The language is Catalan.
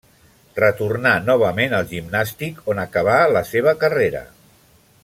Retornà novament al Gimnàstic on acabà la seva carrera.